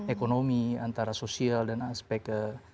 ekonomi antara sosial dan aspek